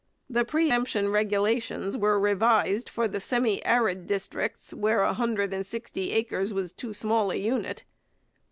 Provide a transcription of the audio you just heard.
The pre emption regulations were revised for the semi arid districts where a hundred and sixty acres was too small a unit.